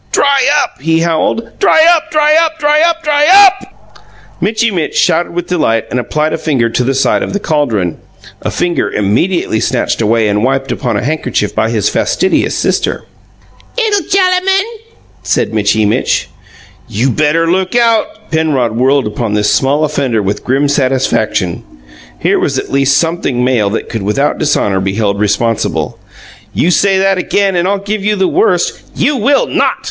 "Dry up!" he howled. "Dry up, dry up, dry up, dry UP!" Mitchy Mitch shouted with delight and applied a finger to the side of the caldron a finger immediately snatched away and wiped upon a handkerchief by his fastidious sister. "'Ittle gellamun!" said Mitchy Mitch. "You better look out!" Penrod whirled upon this small offender with grim satisfaction. Here was at least something male that could without dishonour be held responsible. "You say that again, and I'll give you the worst " "You will NOT!"